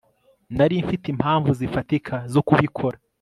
Nari mfite impamvu zifatika zo kubikora